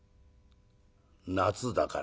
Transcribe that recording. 「夏だから」。